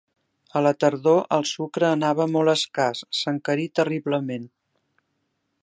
A la tardor el sucre anava molt escàs; s'encarí terriblement.